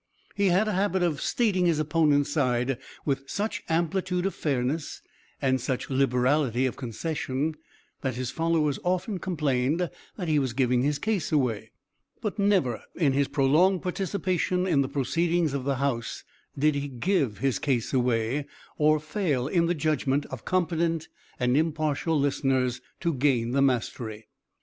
He had a habit of stating his opponent's side with such amplitude of fairness and such liberality of concession that his followers often complained that he was giving his case away. But never in his prolonged participation in the proceedings of the House did he give his case away, or fail in the judgment of competent and impartial listeners to gain the mastery.